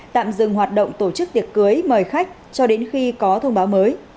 tạm dừng hoạt động tổ chức tiệc cưới mời khách cho đến khi có thông báo mới